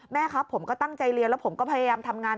แม่ครับผมก็ตั้งใจเรียนแล้วผมก็พยายามทำงาน